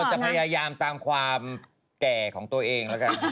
จะพยายามตามความแก่ของตัวเอง